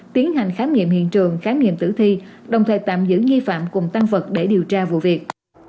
tiến hành khám nghiệm hiện trường khám nghiệm tử thi đồng thời tạm giữ nghi phạm cùng tăng vật để điều tra vụ việc